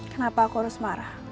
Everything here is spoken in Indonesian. kenapa aku harus marah